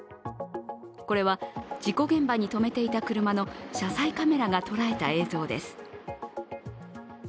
これは、事故現場にとめていた車の車載カメラが捉えた映像です。